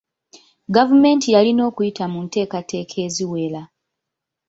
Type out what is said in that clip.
Gavumenti yalina okuyita mu nteekateeka eziwera.